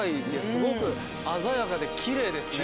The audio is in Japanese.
すごくあざやかできれいですね。